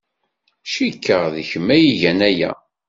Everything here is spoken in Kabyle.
Cikkeɣ d kemm ay igan aya.